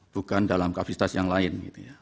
bukan dalam kapasitas yang lain